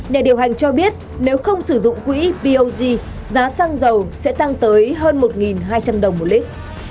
nhà điều hành cho biết nếu không sử dụng quỹ pog giá sang giàu sẽ tăng tới hơn một hai trăm linh đồng một lít